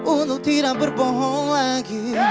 untuk tidak berbohong lagi